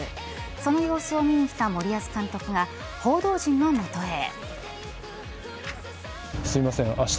その様子を見に来た森保監督が報道陣のもとへ。